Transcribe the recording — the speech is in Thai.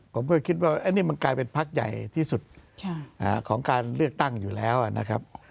ก็คิดว่ามันกลายเป็นฐานใหญ่สุดของการเลือกตั้งอยู่แล้วนะครับ